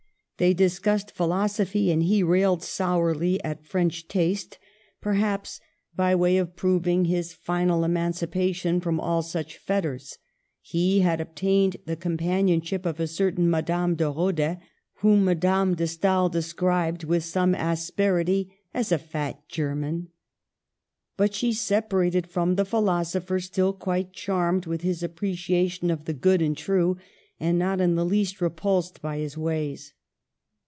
They discussed philosophy, and he railed sourly at French taste ; and, perhaps by way of (127) Digitized by VjOOQIC 128 MADAME DE STAEL proving his final emancipation from all such fet ters, he had obtained the companionship of a cer tain Madame de Rodde, whom Madame de Stael described, with some asperity, as a "fat German." But she separated from the philosopher still quite charmed with his appreciation of the good and true, and not in the least repulsed by his ways.